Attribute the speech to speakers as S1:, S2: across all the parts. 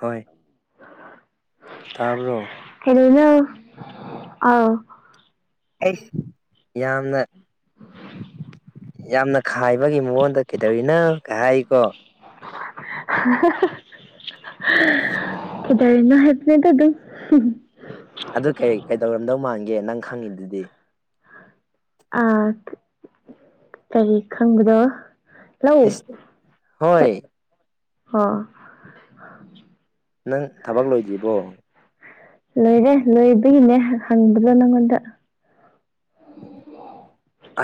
S1: ꯍꯣꯏ ꯇꯥꯕ꯭ꯔꯣ
S2: ꯀꯩꯗꯧꯔꯤꯅꯣ ꯑꯥꯎ
S1: ꯑꯩ ꯌꯥꯝꯅ ꯌꯥꯝꯅ ꯈꯥꯏꯕꯒꯤ ꯃꯑꯣꯣꯟꯗ ꯀꯩꯗꯧꯔꯤꯅ ꯀꯩ ꯍꯥꯏꯀꯣ
S2: [unintelligible] ꯀꯗꯔꯤ ꯏꯅ ꯍꯦꯠꯅꯦꯗ ꯑꯗꯨ
S1: ꯀꯦ ꯅꯪ ꯈꯪꯉꯤꯗꯨꯗꯤ
S2: ꯑ ꯀꯔꯤ ꯈꯪꯕꯗꯣ ꯂꯧ
S1: ꯍꯣꯏ
S2: ꯑ
S1: ꯅꯪ ꯊꯕꯛ ꯂꯣꯏꯗ꯭ꯔꯤꯕꯣ
S2: ꯂꯣꯏꯔꯦ ꯂꯣꯏꯕꯒꯤꯅꯦ ꯍꯪꯕꯗꯣ ꯅꯪꯉꯣꯟꯗ ꯎ
S1: ꯑ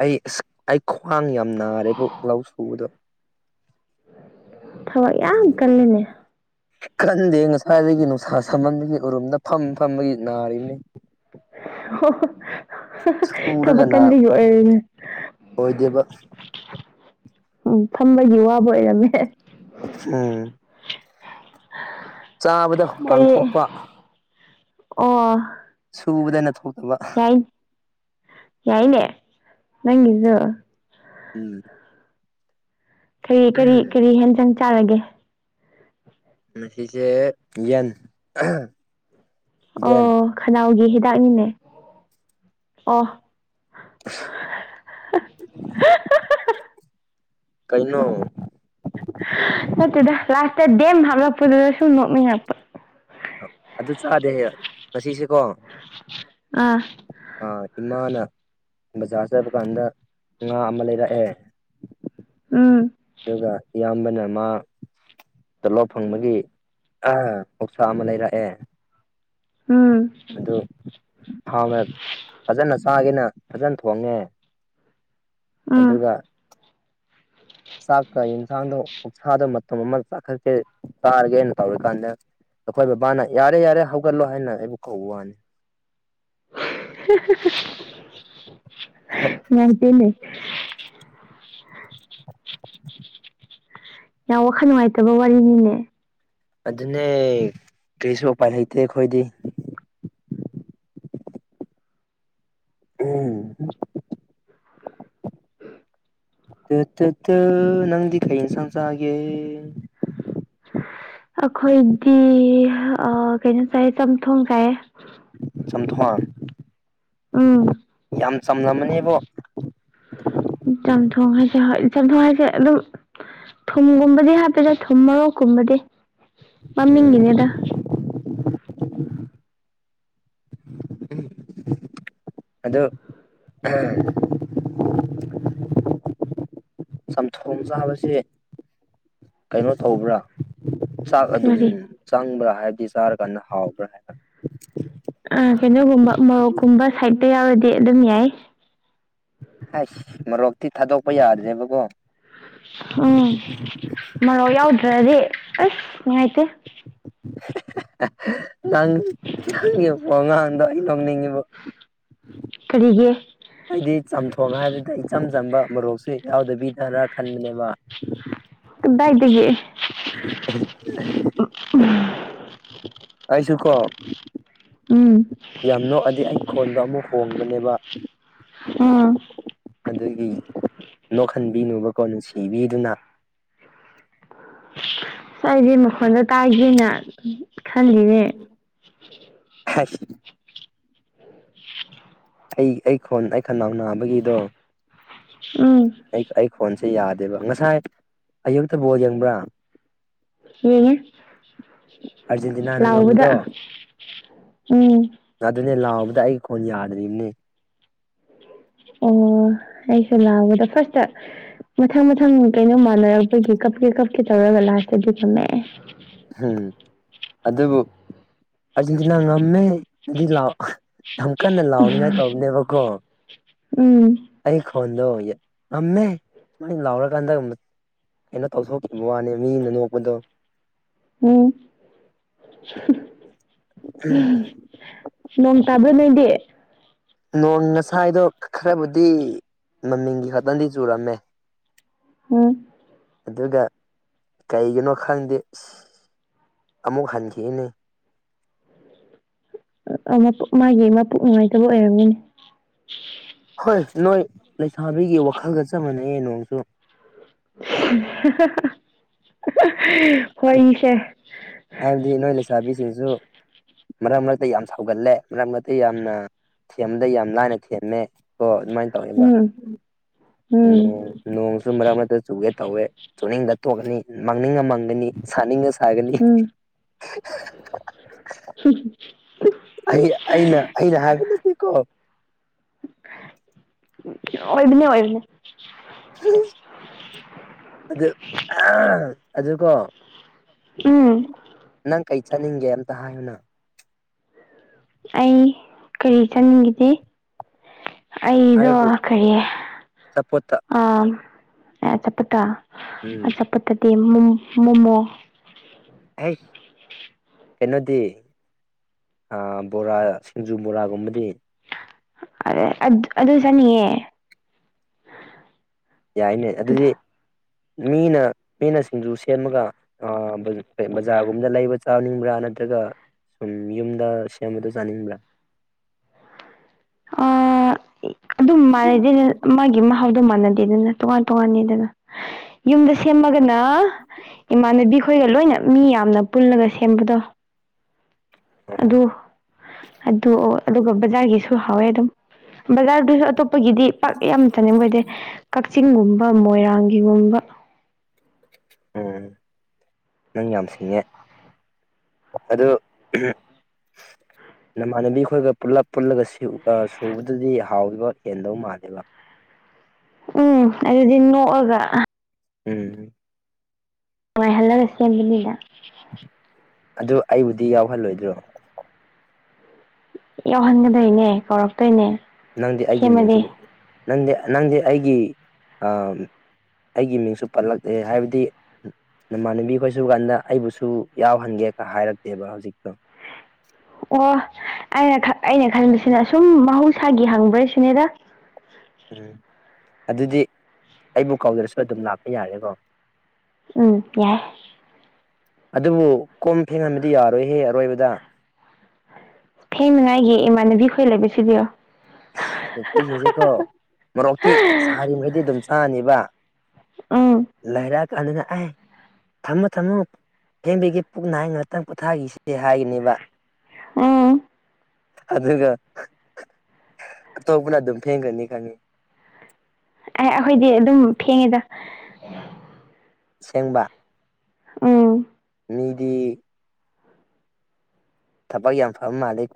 S1: ꯑꯩ ꯑꯁ ꯑꯩ ꯈ꯭ꯋꯥꯡ ꯌꯥꯝ ꯅꯥꯔꯦꯕꯨ ꯂꯧ ꯁꯨꯕꯗꯣ
S2: ꯊꯕꯛ ꯌꯥꯝ ꯀꯜꯂꯤꯅꯦ
S1: ꯈꯟꯗꯦ ꯉꯁꯥꯏꯗꯒꯤ ꯅꯨꯡꯁꯥ ꯁꯃꯟꯕꯒꯤ ꯎꯔꯨꯝꯗ ꯐꯝ ꯐꯝꯝꯕꯒꯤ ꯅꯔ ꯏꯅꯤ ꯄꯔ
S2: ꯊꯕꯛ
S1: ꯀꯅꯥ
S2: ꯀꯟꯕꯒꯤ ꯑꯣꯏꯔꯅꯦ
S1: ꯑꯣꯏꯗꯤ
S2: ꯎꯝ ꯊꯝꯕꯒꯤ ꯋꯥꯕ ꯑꯣꯏꯔꯝꯃꯦ
S1: ꯎꯝ ꯆꯥꯕꯗ ꯍꯨꯃꯥꯡ
S2: ꯀꯔꯤ
S1: ꯊꯣꯛꯣꯛꯄ
S2: ꯑꯣ
S1: ꯁꯕꯗ ꯅ ꯊꯣꯛ
S2: ꯌꯥ ꯌꯥꯏꯅꯦ ꯅꯪꯁꯨ
S1: ꯎꯝ
S2: ꯀꯔꯤ ꯀꯔꯤ ꯀꯔꯤ ꯍꯦꯟꯖꯪ ꯆꯥꯔꯒꯦ
S1: ꯉꯁꯤꯁꯦ ꯎꯌꯦꯟ
S2: ꯑꯣ ꯈꯅꯥꯎꯒꯤ ꯍꯤꯗꯥꯛꯅꯤꯅꯦ ꯑꯣ
S1: ꯀꯩꯅꯣ
S2: ꯀꯦꯝ ꯍꯥꯞꯂꯛꯄꯗꯨꯗ ꯁꯨꯝ ꯅꯣꯛꯅꯤꯡꯉꯛꯄ
S1: ꯑꯗꯨ ꯆꯥꯗꯦ ꯉꯁꯤꯁꯤꯀꯣ
S2: ꯑꯥ
S1: ꯑ ꯏꯃꯥꯅ ꯕꯖꯥꯔ ꯆꯠꯕ ꯀꯥꯟꯗ ꯉꯥ ꯑꯃ ꯂꯩꯔꯛꯑꯦ
S2: ꯎꯝ
S1: ꯑꯗꯨꯒ ꯏꯌꯥꯝꯕꯅ ꯃꯥ ꯇꫭꯂꯣꯞ ꯐꯪꯕꯒꯤ ꯑꯍ ꯑꫭꯛꯁꯥ ꯑꯃ ꯂꯩꯔꯛꯑꯦ
S2: ꯎꯝ
S1: ꯑꯗꯨ ꯍꯥꯎꯅ ꯐꯖꯅ ꯆꯥꯒꯦꯅ ꯐꯖꯅ ꯊꯣꯡꯉꯦ
S2: ꯎꯝ
S1: ꯑꯗꯨꯒ ꯆꯥꯛꯀ ꯌꯦꯟꯁꯥꯡꯗꯣ ꯎꯛꯁꯥꯗ ꯃꯇꯨꯝ ꯑꯃ ꯆꯥꯛꯈꯠꯀꯦ ꯆꯥꯔꯒꯦꯅ ꯇꯧꯔꯤꯀꯥꯟꯗ ꯑꯩꯈꯣꯏ ꯕꯕꯥꯅ ꯌꯥꯔꯦ ꯌꯥꯔꯦ ꯍꯧꯒꯠꯂꯣ ꯍꯥꯏꯅ ꯑꯩꯕꯨ ꯀꯧꯕ ꯋꯥꯅꯤ
S2: ꯅꯨꯉꯥꯏꯇꯦꯅꯦ ꯌꯥꯝ ꯋꯥꯈꯜ ꯅꯨꯡꯉꯥꯏꯇꯕ ꯋꯥꯔꯤꯅꯤꯅꯦ
S1: ꯑꯗꯨꯅꯦ ꯀꯔꯤꯁꯨ ꯎꯄꯥꯏ ꯂꯩꯇꯦ ꯑꯩꯈꯣꯏꯗꯤ ꯎꯝ ꯇꯨ ꯇꯨ ꯇꯨ ꯅꯪꯗꯤ ꯀꯔꯤ ꯏꯟꯁꯥꯡ ꯆꯥꯒꯦ
S2: ꯑꯩꯈꯣꯏꯗꯤ ꯑ ꯀꯩꯅꯣ ꯆꯥꯏ ꯆꯝꯊꯣꯡ ꯆꯥꯏꯌꯦ
S1: ꯆꯝꯊꯣꯡ
S2: ꯎꯝ
S1: ꯌꯥꯝ ꯆꯝꯂꯝꯃꯅꯦꯕꯣ
S2: ꯆꯝꯊꯣꯡ ꯍꯣꯏ ꯍꯥꯏꯁꯦ ꯆꯝꯊꫭꯡ ꯍꯥꯏꯁꯦ ꯑꯗꯨꯝ ꯊꯨꯝꯒꯨꯝꯕꯗꯤ ꯍꯥꯞꯄꯦꯗꯥ ꯊꯨꯝ ꯃꯣꯔꯣꯛꯀꯨꯝꯕꯗꯤ
S1: ꯎꯝ
S2: ꯃꯃꯤꯡꯒꯤꯅꯦꯗ
S1: ꯑꯗꯣ ꯆꯝꯊꯣꯡ ꯆꯥꯕꯁꯦ ꯀꯩꯅꯣ ꯇꯧꯕ꯭ꯔꯥ ꯆꯥꯛ ꯑꯗꯨꯝ
S2: ꯀꯔꯤ
S1: ꯆꯪꯕ꯭ꯔꯥ ꯍꯥꯏꯕꯗꯤ ꯆꯥꯔꯀꯥꯟꯗ ꯍꯥꯎꯕ꯭ꯔꯥ ꯍꯥꯏꯕ
S2: ꯑꯥ ꯀꯩꯅꯣꯒꯨꯝꯕ ꯃꯣꯔꯣꯛꯀꯨꯝꯕ ꯁꯥꯏꯠꯇ ꯌꯥꯎꯔꯗꯤ ꯑꯗꯨꯝ ꯌꯥꯏ
S1: ꯍꯥꯏꯁ ꯃꯔꯣꯛꯇꯤ ꯊꯥꯗꯣꯛꯄ ꯌꯥꯗ꯭ꯔꯦꯕꯀꯣ
S2: ꯎꯝ ꯃꯔꯣꯛ ꯌꯥꯎꯗ꯭ꯔꯗꯤ ꯎꯁ ꯅꯨꯡꯉꯥꯏꯇꯦ
S1: ꯪ ꯅꯪ ꯒꯤ ꯉꯥꯡꯗ ꯑꯩ ꯅꫭꯛꯅꯤꯡꯉꯤꯕꫭ
S2: ꯀꯔꯤꯒꯤ
S1: ꯑꯩꯗꯤ ꯆꯝꯊꯣꯡ ꯍꯥꯏꯕꯗꯨꯗ ꯏꯆꯝ ꯆꯝꯕ ꯃꯔꯣꯛꯁꯨ ꯌꯥꯎꯗꯕꯤꯗ꯭ꯔ ꯈꯟꯕꯅꯦꯕ
S2: ꯀꯗꯥꯏꯗꯒꯤ
S1: ꯑꯩꯁꯨ ꯀꯣ
S2: ꯎꯝ
S1: ꯌꯥꯝ ꯅꯣꯛꯑꯗꯤ ꯑꯩ ꯈꯣꯟꯗꯣ ꯑꯃꯨꯛ ꯍꯣꯡꯕꯅꯦꯕ
S2: ꯎꯝ
S1: ꯑꯗꯨꯏ ꯅꯣꯛꯍꯟꯕꯤꯅꯨꯕꯀꯣ ꯅꯨꯡꯁꯤꯕꯤꯗꯨꯅ
S2: ꯑꯁ ꯑꯩꯁꯦ ꯃꯈꯣꯟꯗ ꯇꯥꯏꯒꯦꯅ ꯈꯜꯂꯤꯅꯦ
S1: ꯍꯥꯏꯁ ꯑꯩ ꯑꯩ ꯈꫭꯟ ꯑꯩ ꯈꯅꯥꯎ ꯅꯥꯕꯒꯤꯗꯣ
S2: ꯎꯝ
S1: ꯁꯤ ꯌꯥꯗꯦꯕ ꯉꯁꯥꯏ ꯑꯌꯨꯛꯇ ꯕꯣꯜ ꯌꯦꯡꯕ꯭ꯔꯥ
S2: ꯌꯦꯡꯉꯤ
S1: ꯑꯥꯔꯖꯦꯟꯇꯤꯅꯥꯅ
S2: ꯂꯥꯎꯕꯗ
S1: ꯉꯝꯕꯗꯣ
S2: ꯎꯝ
S1: ꯅꯦ ꯂꯥꯎꯕꯗ ꯑꯩ ꯈꫭꯟ ꯌꯥꯗ꯭ꯔꯤꯕꯅꯦ
S2: ꯑꯣ ꯑꯩꯁꯨ ꯂꯥꯛꯕꯗ ꯐꯥꯔꯁꯇ ꯃꯊꯪ ꯃꯊꯪ ꯀꯩꯅꯣꯝꯃ ꯁꯥꯟꯅꯔꯛꯄꯒꯤ ꯀꯞ ꯀꯦ ꯀꯞ ꯀꯦ ꯇꯧꯔꯒ ꯂꯥꯁꯇꯗꯤ ꯉꯝꯃꯛꯑꯦ
S1: ꯎꯝ ꯑꯗꯨꯕꯨ ꯑꯥꯔꯖꯦꯟꯇꯤꯅꯥ ꯉꯝꯃꯦ ꯑꯗꯨꯗꯤ ꯂꯥꯎ ꯌꯥꯝ ꯀꯟꯅ ꯂꯥꯎꯅꯤꯉꯥꯏ ꯇꯧꯕꯅꯦꯕꯀꯣ
S2: ꯎꯝ
S1: ꯐꯣꯟꯗꯣ ꯉꯝꯃꯦ ꯁꯨꯃꯥꯏ ꯂꯥꯎꯔꯀꯥꯟꯗ ꯀꯩꯅꯣ ꯇꯧꯊꯣꯛꯈꯤꯕ ꯋꯥꯅꯦ ꯃꯤꯅ ꯅꯣꯛꯄꯗꯣ
S2: ꯎꯝ ꯅꯣꯡ ꯇꯥꯕ꯭ꯔ ꯅꯣꯏꯗꯤ
S1: ꯅꯣꯡ ꯉꯁꯥꯏꯗꯣ ꯈꯔꯕꯨꯗꯤ ꯃꯃꯤꯡꯒꯤ ꯈꯛꯇꯪꯗꯤ ꯆꯨꯔꯝꯃꯦ
S2: ꯎꯝ
S1: ꯑꯗꯨꯒ ꯀꯩꯒꯤꯅꯣ ꯈꯪꯗꯦ ꯑ ꯑꯃꯨꯛ ꯍꯟꯈꯤꯅꯦ
S2: ꯃꯥꯒꯤ ꯃꯄꯣꯛ ꯅꯨꯡꯉꯥꯏꯇꯕ ꯑꯣꯏꯔꯝꯒꯅꯤ
S1: ꯍꯣꯏ ꯅꯣꯏ ꯂꯩꯁꯥꯕꯤꯒꯤ ꯋꯥꯈꯜꯒ ꯆ ꯆꯞ ꯃꯥꯟꯅꯩꯌꯦ ꯅꯣꯡꯁꯨ
S2: [unintelligible] ꯋꯥꯔꯤꯁꯦ
S1: ꯍꯥꯏꯕꯗꯤ ꯅꯣꯏ ꯂꯩꯁꯥꯕꯤꯁꯤꯁꯨ ꯃꯔꯛ ꯃꯔꯛꯇ ꯌꯥꯝ ꯁꯥꯎꯒꯠꯂꯦ ꯃꯔꯛ ꯃꯔꯛꯇ ꯌꯥꯝꯅ ꯊꯦꯝꯕꯗ ꯌꯥꯝ ꯂꯥꯏꯅ ꯊꯦꯝꯃꯦ ꯀꯣ ꯑꯗꯨꯃꯥꯏꯅ ꯇꯧꯋꯦꯕ
S2: ꯎꯝ ꯎꯝ
S1: ꯅꯣꯡ ꯅꯣꯡꯁꯨ ꯃꯔꯔ ꯑꯃ ꯆꯨꯒꯦ ꯇꯧꯋꯦ ꯆꯨꯅꯤꯡꯗ ꯇꯣꯡꯀꯅꯤ ꯃꯥꯡꯅꯤꯡꯉ ꯃꯥꯡꯒꯅꯤ ꯁꯥꯅꯤꯡꯉ ꯁꯥꯒꯅꯤ [unintelligible]
S2: ꯍ
S1: ꯑꯩ ꯑꯩꯅ ꯑꯩꯅ ꯍꯥꯏꯕ ꯅꯠꯇꯦꯀꯣ
S2: ꯑꯣꯏꯕꯅꯦ ꯑꯣꯏꯕꯅꯦ
S1: ꯑꯗꯨ ꯑꯗꯨꯗ ꯀꯣ
S2: ꯎꯝ
S1: ꯅꯪ ꯀꯩ ꯆꯥꯅꯤꯡꯒꯦ ꯑꯝꯇ ꯍꯥꯏꯌꯨꯅ
S2: ꯑꯩ ꯀꯔꯤ ꯆꯪꯅꯤꯡꯈꯤꯗꯦ ꯑꯩꯗꯣ
S1: ꯑꯩꯕꯨ
S2: ꯀꯔꯤꯥ
S1: ꯑꯆꯥꯄꯣꯠꯇ
S2: ꯆꯠꯄꯠꯇ
S1: ꯎꯝ
S2: ꯑꯆꯥ ꯄꯊꯗꯤ ꯃꯣꯃꯣ
S1: ꯍ ꯀꯩꯅꯣꯗꯤ ꯕꯣꯔꯥ ꯁꯤꯡꯖꯨ ꯕꯣꯔꯥꯒꯨꯝꯕꯗꯤ
S2: ꯑꯗ ꯑꯗꯨ ꯑꯗꯨ ꯆꯅꯤꯌꯦ
S1: ꯌꯥꯏꯅꯦ ꯑꯗꯨꯗꯤ ꯃꯤꯅ ꯃꯤꯅ ꯁꯤꯡꯖꯨ ꯁꯦꯝꯃꯒ ꯕꯖꯥꯔꯒꯨꯝꯗ ꯂꯩꯕ ꯆꯥꯅꯤꯡꯕ꯭ꯔꯥ ꯅꯠꯇ꯭ꯔꯒ ꯁꯨꯝ ꯌꯨꯝꯗ ꯁꯦꯝꯕꯗꯣ ꯆꯥꯅꯤꯡꯕ꯭ꯔꯥ
S2: ꯑ ꯑꯗꯨꯝ ꯃꯥꯟꯅꯗꯦ ꯃꯥꯒꯤ ꯃꯍꯥꯎ ꯑꯗꯨ ꯃꯥꯟꯅꯗꯦꯗꯅ ꯇꯣꯉꯥꯟ ꯇꯣꯉꯥꯟꯅꯤꯗꯅ ꯌꯨꯝꯗ ꯁꯦꯝꯃꯒꯅ ꯏꯃꯥꯟꯅꯕꯤ ꯈꯣꯏꯒ ꯂꯣꯏꯅ ꯃꯤ ꯌꯥꯝꯅ ꯄꯨꯜꯂꯒ ꯁꯦꯝꯕꯗꯣ ꯑꯗꯨ
S1: ꯑꯣ
S2: ꯑꯗꯨ ꯑꯗꯨꯒ ꯕꯖꯥꯔꯒꯤꯁꯨ ꯍꯝꯖꯥꯗꯨ ꯑꯩꯈꯣꯏꯒꯤꯗꯤ ꯄꯥꯛ ꯌꯥꯝ ꯆꯥꯅꯤꯡꯕ ꯍꯥꯏꯗꯤ ꯀꯛꯆꯤꯡꯒꯨꯝꯕ ꯃꯣꯏꯔꯥꯡꯒꯤꯒꯨꯝꯕ
S1: ꯎꯝ ꯅꯪ ꯌꯥꯝꯁꯤꯉꯦ ꯑꯗ
S2: ꯎ
S1: ꯅꯃꯥꯟꯅꯕꯤ ꯑꯩꯈꯣꯏꯒ ꯄꯨꯜꯂꯞ ꯄꯨꯜꯂꯒ ꯁꯨꯕꯗꯨꯗꯤ ꯍꯥꯎꯕ ꯍꯦꯟꯗꯧ ꯃꯥꯜꯂꯦꯕ
S2: ꯎꯝ ꯎꯝ ꯑꯗꯨꯗꯤ ꯅꯣꯛꯑꯒ
S1: ꯎꯝ
S2: ꯅꯨꯡꯉꯥꯏꯍꯜꯂꯒ ꯁꯦꯝꯕꯅꯤꯅ
S1: ꯑꯗꯨ ꯑꯩꯕꯨꯗꯤ ꯌꯥꯎꯍꯜꯂꯣꯏꯗ꯭ꯔꯣ
S2: ꯌꯥꯎꯍꯟꯒꯗꯣꯏꯅꯦ ꯀꯧꯔꯛꯇꯣꯏꯅꯦ
S1: ꯅꯪꯗꯤ ꯑꯩꯒꯤ ꯃꯤꯡꯁꯨ
S2: ꯁꯦꯝꯃꯗꯤ
S1: ꯅꯪꯗꯤ ꯅꯪꯗꯤ ꯑꯩꯒꯤ ꯑꯩꯒꯤ ꯃꯤꯡꯁꯨ ꯄꯜꯠꯂꯛꯇꯛꯇꯦ ꯍꯥꯏꯕꯗꯤ ꯅꯃꯥꯟꯅꯕꯤ ꯈꯣꯏ ꯁ ꯀꯥꯟꯗ ꯑꯩꯕꯨꯁꯨ ꯌꯥꯎꯍꯟꯒꯦ ꯍꯥꯏꯔꯛꯇꯦꯕ ꯍꯧꯖꯤꯛꯇꯣ
S2: ꯑꯣ ꯑꯩꯅ ꯑꯩꯅ ꯈꯟꯕꯁꯤꯅ ꯑꯁꯨꯝ ꯃꯍꯧꯁꯥꯒꯤ ꯍꯪꯕ꯭ꯔꯁꯤꯅꯦꯗ
S1: ꯎꯝ ꯑꯗꯨꯗꯤ ꯑꯩꯕꯨ ꯀꯧꯗ꯭ꯔꯁꯨ ꯑꯗꯨꯝ ꯂꯥꯛꯄ ꯌꯥꯔꯦꯀꯣ
S2: ꯎꯝ ꯀꯏ
S1: ꯑꯗꯨꯕꯨ ꯀꯣꯝ ꯐꯦꯡꯍꯟꯕꯗꯤ ꯌꯥꯔꯣꯏꯍꯦ ꯑꯔꯣꯏꯕꯗ
S2: ꯊꯦꯡꯅꯉꯥꯏꯒꯤ ꯏꯃꯥꯟꯅꯕꯤꯈꯣꯏ ꯂꯩꯕ ꯁꯤꯗꯤ
S1: ꯅꯨꯄꯤꯁꯤꯡꯁꯦꯀꯣ ꯃꯔꯣꯔꯣꯛꯇꯤ ꯁꯥꯔꯤ ꯃꯈꯈꯩꯗꯤ ꯑꯗꯨꯝ ꯆꯥꯅꯤꯕ
S2: ꯎꯝ
S1: ꯂꯩꯥꯏꯔ ꯀꯅꯤꯅꯑ ꯊꯝꯃꯨ ꯊꯝꯃꯣ ꯐꯦꯟꯕꯤꯒꯤ ꯄꯨꯛ ꯍ ꯉꯥꯛꯇꯪ ꯄꯣꯊꯥꯈꯤꯁꯤꯦ ꯍꯥꯏꯒꯅꯦꯕ
S2: ꯎꯝ
S1: ꯑꯗꯨꯒ ꯑꯇꯣꯞꯄꯅ ꯑꯗꯨꯝ ꯊꯦꯡꯒꯅꯤ ꯈꯪꯉꯤ
S2: ꯑꯦ ꯑꯩꯈꯣꯏꯗꯤ ꯑꯗꯨꯝ ꯐꯦꯡꯉꯤꯗ
S1: ꯁꯦꯡꯕ
S2: ꯎꯝ
S1: ꯅꯤꯗꯤ ꯊꯕꯛ ꯌꯥ ꯐ ꯃꯥꯂꯤꯛ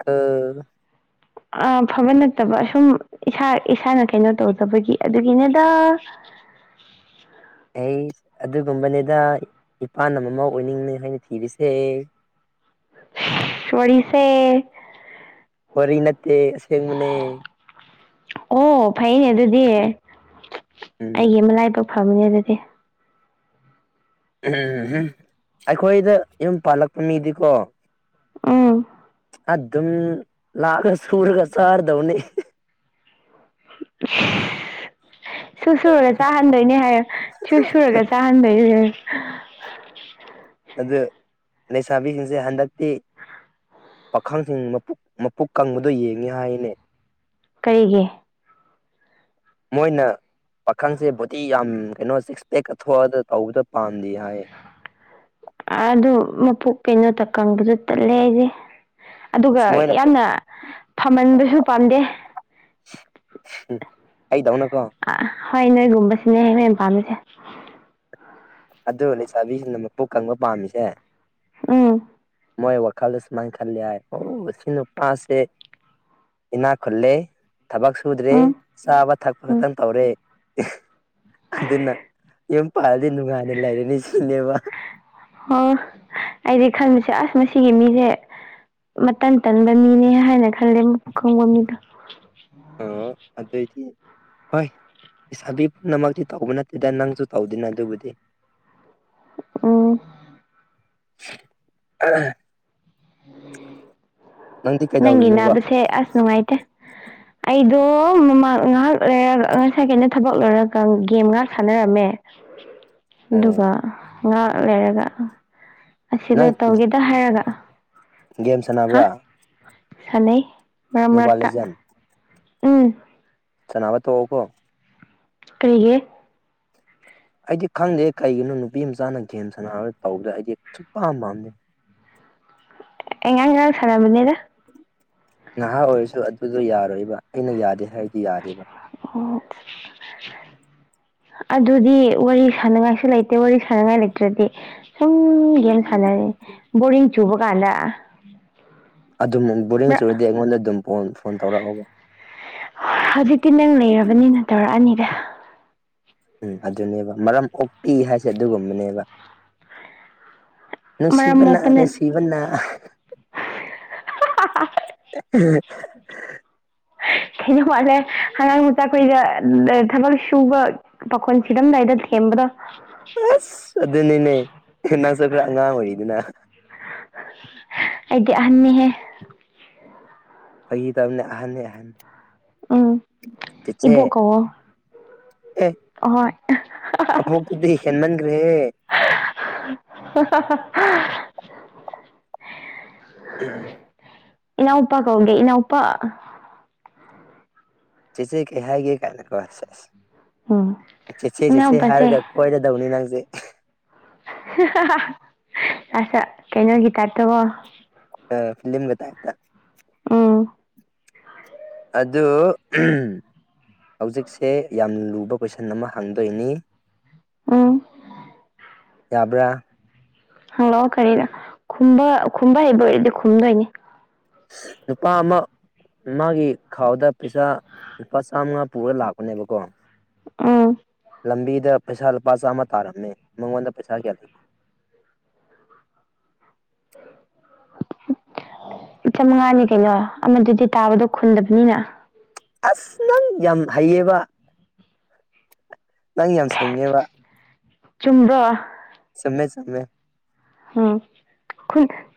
S2: ꯑ ꯐꯕ ꯅꯠꯇꯕ ꯁꯨꯝ ꯏꯁꯥ ꯏꯁꯥꯅ ꯀꯩꯅꯣ ꯇꯧꯗꯕꯒꯤ ꯑꯗꯨꯒꯤꯅꯗ [inaudible]
S1: ꯑꯩ ꯑꯗꯨꯒꯨꯝꯕꯅꯤꯗ ꯏꯄꯥꯥꯟ ꯑꯃ ꯑꯃ ꯑꯣꯏꯅꯤꯡꯅꯤ ꯍꯥꯏꯅ ꯊꯤꯔꯤꯁꯦ
S2: ꯆꯔꯤꯁꯦ
S1: ꯋꯥꯔꯤ ꯅꯠꯇꯦꯁꯦꯡ ꯃꯅꯦ
S2: ꯑꯣ ꯐꯩꯅꯦ ꯑꯗꯨꯗꯤ
S1: ꯎꯝ
S2: ꯑꯩꯒꯤ ꯑꯃ ꯂꯥꯏ ꯄꯛ ꯐꯝꯅꯤ ꯑꯗꯨꯗꯤ
S1: ꯎꯝ ꯎꯝ ꯑꯩꯈꯣꯏꯗ ꯌꯨꯝ ꯄꯥꯜꯂꯛꯄ ꯃꯤꯗꯤꯀꯣ
S2: ꯎꯝ
S1: ꯑꯗꯨ ꯑꯗꯨꯝ ꯂꯥꯛꯒ ꯆꯨꯔꯒ ꯁꯥꯔꯗꯧꯅꯤ
S2: [inaudible] ꯁꯨꯔ ꯁꯨꯔꯒ ꯆꯥꯍꯟꯗꯣꯏꯅꯦ ꯍꯥꯏ ꯁꯨ ꯁꯨꯔꯒ ꯆꯥꯍꯟꯗꯣꯏꯅꯦ [inaudible]
S1: ꯑꯗꯨ ꯂꯩꯁꯥꯕꯤꯁꯤꯡꯁꯦ ꯍꯟꯗꯛꯇꯤ ꯄꯥꯈꯪꯁꯤꯡ ꯃꯄꯨꯛ ꯀꯪꯕꯗꯨꯣ ꯌꯦꯡꯉꯤ ꯍꯥꯏꯅꯤ
S2: ꯀꯔꯤꯒꯤ
S1: ꯃꯣꯏꯅ ꯄꯥꯈꯪꯁꯦ ꯕꯣꯗꯤꯤ ꯌꯥꯝ ꯀꯩꯅꯣ ꯁꯤꯛꯁꯄꯦꯛ ꯀꯊꯣꯛꯑꯒ ꯇꯧꯕꯗ ꯄꯥꯝꯗꯦ ꯍꯥꯏ
S2: ꯑꯗꯨ ꯃꯄꯣꯛ ꯀꯩꯅꯣꯇ ꯀꯪꯕꯗ ꯇꯠꯂꯦ ꯑꯩꯁꯦ ꯑꯗꯨꯒ
S1: ꯑꯁ ꯃꯣꯏꯅ
S2: ꯌꯥꯝꯅ ꯐꯝꯃꯟꯕꯁꯨ ꯄꯥꯝꯗꯦ
S1: ꯑꯩꯗꯎꯅꯀꯣ
S2: ꯍꯣꯏ ꯅꯣꯏꯒꯨꯝꯕꯁꯤꯅꯦ ꯃꯌꯥꯝ ꯄꯥꯝꯃꯤꯁꯦ
S1: ꯑꯗꯨꯒ ꯂꯩꯁꯥꯕꯤꯁꯤꯡꯅ ꯃꯄꯨ ꯀꯪꯕ ꯄꯥꯝꯃꯤꯁꯦ
S2: ꯑꯥ
S1: ꯃꯣꯏ ꯋꯥꯋꯈꯜꯗꯁꯤꯃꯥꯡ ꯈꯥꯂꯤ ꯍꯥꯏ ꯑꯣ ꯁꯤꯅꯄꯥꯦ ꯏꯅꯥꯛ ꯈꯨꯜꯂꯦ ꯊꯕꯛ ꯁꯨꯗ꯭ꯔꯦ
S2: ꯎꯝ
S1: ꯆꯥꯕ ꯊꯛꯄ
S2: ꯎꯝ
S1: ꯈꯛꯇꯪ ꯇꯧꯔꯦ ꯑꯗꯨ ꯑꯗꯨꯟꯅ ꯌꯦ ꯄꯗꯅ
S2: ꯑꯣ ꯑꯩꯗꯤ ꯈꯟꯕꯁꯦ ꯑꯁ ꯃꯁꯤꯒꯤ ꯃꯤ ꯁꯦ ꯃꯇꯝ ꯇꯟꯕ ꯃꯤꯅꯦ ꯍꯥꯏꯅ ꯈꯜꯂꯦ ꯄꯨꯈꯪꯕ ꯃꯤꯗꯣ
S1: ꯑ ꯑꯗꯤ ꯍꯣꯏ ꯏꯁꯥꯕꯤ ꯄꯨꯝꯅꯃꯛꯇꯤ ꯇꯧꯕ ꯅꯠꯇꯦꯗ ꯅꯪꯁꯨ ꯇꯧꯗꯦꯅ ꯑꯗꯨꯕꯨꯗꯤ
S2: ꯎ
S1: ꯑ
S2: ꯎꯝ
S1: ꯅꯪꯗꯤ
S2: ꯅꯪꯒꯤ
S1: ꯀꯩꯗꯧꯔꯤꯅꯣꯕ
S2: ꯅꯥꯕꯁꯦ ꯑꯁ ꯅꯨꯡꯉꯥꯏꯇꯦ ꯑꯩ ꯑꯗꯣ ꯃꯃꯥꯡ ꯉꯥꯏꯍꯥꯛ ꯂꯩꯔꯒ ꯉꯁꯥꯏ ꯀꯩꯅꯣ ꯊꯕꯛ ꯂꯧꯣꯏꯔꯒ ꯒꯦꯝ ꯉꯥꯏꯍꯥꯛ ꯁꯥꯟꯅꯔꯝꯃꯦ ꯑꯗꯨꯒ
S1: ꯎꯝ
S2: ꯉꯥ ꯂꯩꯔꯒ ꯑꯁꯤꯗꯣ
S1: ꯅꯪ
S2: ꯇꯧꯒꯦꯗ ꯍꯥꯏꯔꯒ
S1: ꯒꯦꯝ
S2: ꯍꯥ
S1: ꯁꯥꯟꯅꯕ꯭ꯔꯥ
S2: ꯁꯥꯟꯅꯩ ꯃꯔꯛ
S1: ꯃꯣꯕꯥꯏꯜ
S2: ꯃꯔꯛꯇ ꯎꯝ
S1: ꯆꯅꯥꯕ ꯇ ꯑꯣꯀꯣ
S2: ꯀꯔꯤꯦ
S1: ꯑꯩꯗꯤ ꯈꯪꯗꯦ ꯀꯩꯒꯤꯅꯣ ꯅꯨꯄꯤ ꯃꯆꯥꯅ ꯒꯦꯝ ꯁꯥꯟꯅꯔꯒ ꯇꯧꯕꯗ ꯑꯩꯗꯤ ꯁꯨꯛ ꯄꯥꯝ ꯄꯥꯝꯗꯦ
S2: ꯑꯦꯉꯥꯡꯉꯥꯡ ꯁꯅꯃꯤꯅꯤꯗ
S1: ꯅꯍꯥ ꯑꯣꯏꯔꯁꯨ ꯑꯗꯨꯗꯣ ꯌꯥꯔꯣꯏꯕ ꯑꯩꯅ ꯌꯥꯗꯦ ꯍꯥꯏ
S2: ꯑ ꯑꯗꯨꯗꯤ ꯋꯥꯔꯤ ꯁꯥꯟꯅꯉꯥꯏꯁꯨ ꯂꯩꯇꯦ ꯑ ꯋꯥꯔꯤ ꯁꯥꯟꯅꯉꯥꯏ ꯂꯩꯇ꯭ꯔꯗꯤ ꯁꯨꯝ ꯒꯦꯝ ꯁꯥꯟꯅꯔꯦ ꯕꯣꯗꯤꯡ ꯆꯨꯕ ꯀꯥꯟꯗ
S1: ꯑꯗꯨꯝ ꯕꯣꯣꯔꯦꯡ
S2: ꯃꯔꯛ
S1: ꯆꯨꯔꯗꯤ ꯑꯩꯉꯣꯟꯗ ꯑꯗꯨꯝ ꯐꯣꯟ ꯇꯧꯔꯛꯕ
S2: ꯍꯧꯖꯤꯛꯇꯤ ꯅꯪ ꯂꯩꯔꯕꯅꯤꯅ ꯇꯧꯔꯛꯑꯅꯤꯗ
S1: ꯎꯝ ꯑꯗꯨꯅꯦꯕ ꯃꯔꯝ ꯑꯣꯛꯄꯤ ꯍꯥꯏꯁꯦ ꯑꯗꯨꯒꯨꯝꯕꯅꯦꯕ
S2: ꯃꯔꯝ
S1: ꯅꯨꯡꯁꯤꯕꯅ
S2: ꯃꯣꯛꯄꯅ
S1: ꯅꯨꯡꯁꯤꯕꯅ
S2: [unintelligible]
S1: [unintelligible]
S2: ꯑ ꯊꯩꯖꯣꯛ ꯋꯥꯠꯂꯦ ꯍꯉꯥꯡ ꯃꯆꯥ ꯑꯩꯈꯣꯏꯗ ꯊꯕꯛ ꯁꯨꯕ ꯄꯥꯈꯣꯟ ꯁꯤꯔꯝꯗꯥꯏꯗ ꯊꯦꯝꯕꯗꯣ
S1: ꯑꯁ ꯑꯗꯨꯅꯤꯅꯦ ꯅ ꯆꯠ ꯈ꯭ꯔ ꯑꯉꯥꯡ ꯑꯣꯏꯔꯤꯗꯅ
S2: ꯑꯩꯗꯤ ꯑꯃꯤꯍꯦ
S1: ꯐꯒꯤ ꯇꯕꯅꯦ ꯑꯍꯟꯅꯤ ꯑꯍꯟꯅꯤ
S2: ꯎꯝ ꯏꯕꯣꯛꯀꯣ
S1: ꯑꯦ ꯑꯗꯤꯟꯅꯒ꯭ꯔꯦ
S2: [unintelligible]
S1: ꯎꯝ
S2: ꯏꯅꯧꯄꯥ ꯀꯧꯦ ꯏꯅꯧꯄꯥ
S1: ꯆꯦꯆꯦ ꯀꯦ ꯍꯦꯒꯦ ꯀꯥꯏꯅ
S2: ꯎꯝ
S1: ꯀꯔꯁꯦꯁ ꯆꯦꯆꯦ ꯆꯦꯆꯦ ꯍꯔꯒ
S2: ꯏꯅꯥꯎꯄꯥꯁꯦ
S1: ꯀꯋꯥꯏꯗꯗꯧꯅꯤꯅꯥꯪꯁꯦ
S2: ꯉꯁ ꯀꯩꯅꯣꯒꯤ ꯇꯠꯇꯣ
S1: ꯐꯤꯝ ꯥꯏ
S2: ꯎꯝ
S1: ꯑꯗꯨꯗ ꯍꯧꯖꯤꯛꯁꯦ ꯌꯥꯝꯅ ꯂꯨꯕ ꯀꯣꯏꯁꯟ ꯑꯃ ꯍꯥꯡꯗꯣꯏꯅꯤ
S2: ꯑꯥ
S1: ꯌꯥꯕ꯭ꯔꯥ
S2: ꯍꯂꯛꯑꯣ ꯀꯔꯤꯅꯣ ꯈꯨꯝꯕ ꯈꯨꯝꯕ ꯍꯩꯕ ꯑꯣꯏꯔꯗꯤ ꯈꯨꯝꯗꯣꯏꯅꯦ
S1: ꯅꯨꯄꯥ ꯑꯃ ꯃꯥꯒꯤ ꯈꯥꯎꯗ ꯄꯩꯁꯥ ꯂꯨꯄꯥ ꯆꯥꯃꯉꯥ ꯄꯨꯔ ꯂꯥꯛꯄꯅꯦꯕꯀꯣ
S2: ꯑꯥ
S1: ꯂꯝꯕꯤꯗ ꯄꯩꯁꯥ ꯂꯨꯄꯥ ꯆꯥꯝꯃ ꯇꯥꯔꯝꯃꯦ ꯃꯉꯣꯟꯗ ꯄꯩꯁꯥ ꯀꯌꯥ ꯂꯩꯒꯦ
S2: [unintelligible] ꯆꯃꯉꯥꯅꯤ ꯀꯩꯅꯣ ꯑꯃꯗꯨꯗꯤ ꯇꯥꯕꯗꯣ ꯈꯨꯨꯟꯗꯕꯅꯤꯅ
S1: ꯑꯁ ꯅꯪ ꯌꯥꯝ ꯍꯩꯌꯦꯕ ꯅꯪ ꯌꯥꯝ ꯁꯩꯉꯦꯕ
S2: ꯆꯨꯝꯕꯥ
S1: ꯁꯃꯦ ꯁꯃꯦ
S2: ꯑꯣꯏ